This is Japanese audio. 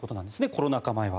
コロナ禍前は。